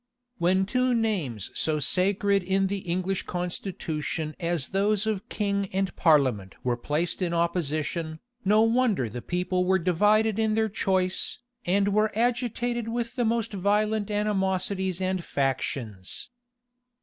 } When two names so sacred in the English constitution as those of king and parliament were placed in opposition, no wonder the people were divided in their choice, and were agitated with the most violent animosities and factions.